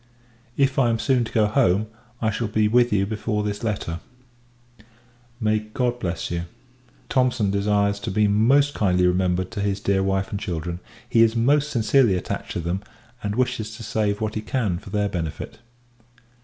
If I am soon to go home, I shall be with you before this letter. May God bless you! Thomson desires to be most kindly remembered to his dear wife and children. He is most sincerely attached to them; and wishes to save what he can for their benefit.